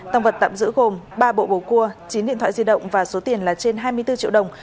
tăng vật tạm giữ gồm ba bộ bầu cua chín điện thoại di động và số tiền là trên hai mươi bốn triệu đồng